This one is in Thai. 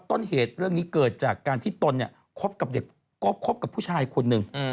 ต้นเหตุเรื่องนี้เกิดจากการที่ตนครบกับผู้ชายคนหนึ่ง